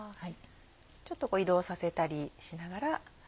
ちょっと移動させたりしながら。